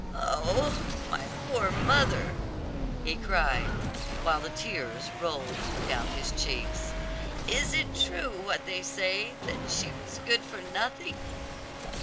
"Oh, my poor mother!" he cried, while the tears rolled down his cheeks. "Is it true what they say, that she was good for nothing?"